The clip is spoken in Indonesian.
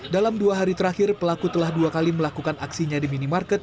dalam dua hari terakhir pelaku telah dua kali melakukan aksinya di minimarket